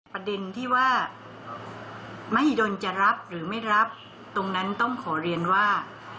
ประเด็นที่ว่ามหิดลจะรับหรือไม่รับตรงนั้นต้องขอเรียนว่า